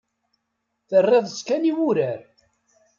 Terriḍ-tt kan i wurar.